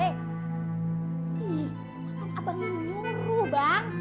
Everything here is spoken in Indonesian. ih abang nyuruh bang